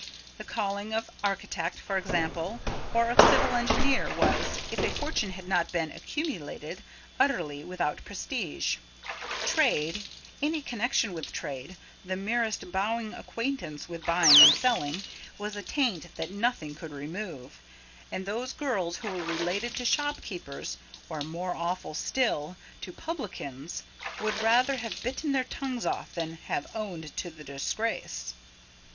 The calling of architect, for example, or of civil engineer, was, if a fortune had not been accumulated, utterly without prestige; trade, any connection with trade the merest bowing acquaintance with buying and selling was a taint that nothing could remove; and those girls who were related to shopkeepers, or, more awful still, to publicans, would rather have bitten their tongues off than have owned to the disgrace.